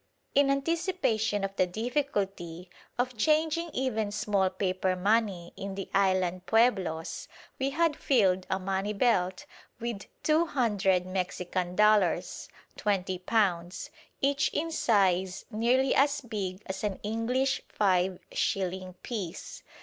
In anticipation of the difficulty of changing even small paper money in the island pueblos, we had filled a money belt with two hundred Mexican dollars (£20), each in size nearly as big as an English five shilling piece.